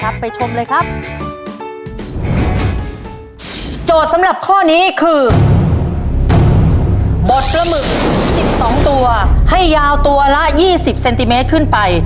บดละหมึก๑๒ตัวให้ยาวตัวละ๒๐เซนติเมตรขึ้นไป